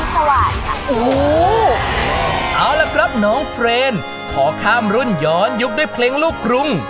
เอาละครับน้องเฟรนขอข้ามรุ่นย้อนยุคด้วยเพลงลูกกรุง